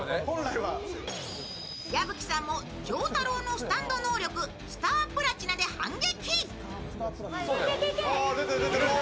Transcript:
矢吹さんも承太郎のスタンド能力・スタープラチナで反撃。